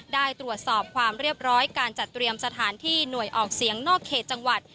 ได้ตรวจสอบความเรียบร้อยการจัดเตรียมสถานที่หน่วยออกเสียงนอกเขตจังหวัด